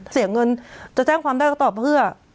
เสียเงินจะแจ้งความได้ก็ตอบเพื่อ